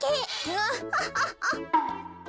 アハハハ！